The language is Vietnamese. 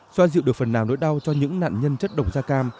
xoa dịu được phần nào nỗi đau cho những nạn nhân chất độc da cam